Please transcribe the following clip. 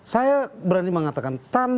saya berani mengatakan tanpa timnya ya kan